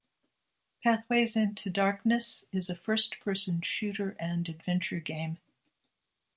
"Pathways into Darkness" is a first-person shooter and adventure game.